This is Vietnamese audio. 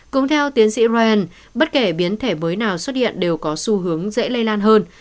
cũng theo tiến sĩ ryan bất kể biến thể mới nào xuất hiện đều có xu hướng dễ lây lan hơn